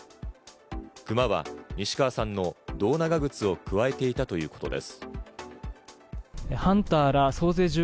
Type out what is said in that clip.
クマは西川さんの胴長靴をくわえていたということです。